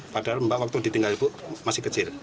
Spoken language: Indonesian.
padahal mbak waktu ditinggal ibu masih kecil